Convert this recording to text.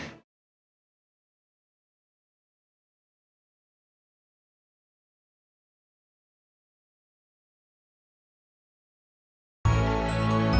kita biasanya itu